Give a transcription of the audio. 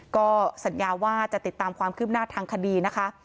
ก็สัญญาว่าจะติดตามความคืบหน้าทางคดีนะคะ